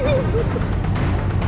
nek ini darah nek